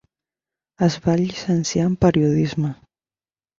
Es va llicenciar en Periodisme.